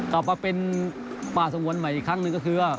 กลับมาปลาทรงวันใหม่อีกครั้งหนึ่งก็คือ